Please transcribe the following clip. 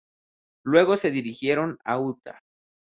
Luego se dirigieron a Utah.